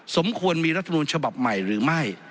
สมควรมีรัฐมนูลฉบับใหม่หรือไม่